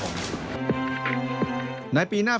ก็รู้สึกดีใจมาก